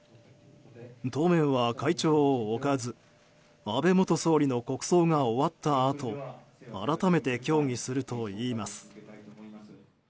当面は会長を置かず安倍元総理の国葬が終わったあと改めて協議するといいます。